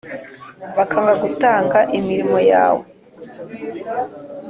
bakanga gutanga imirimo yawe